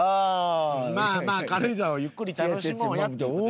まあまあ軽井沢をゆっくり楽しもうやって。